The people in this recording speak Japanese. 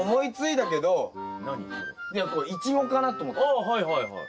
ああはいはいはい。